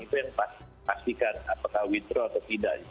itu yang pastikan apakah withro atau tidak